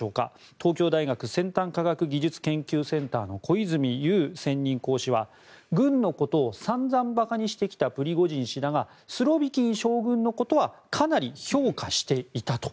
東京大学先端科学技術研究センターの小泉悠専任講師は軍のことを散々馬鹿にしてきたプリゴジン氏だがスロビキン将軍のことはかなり評価していたと。